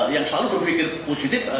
yang selalu berpikir positif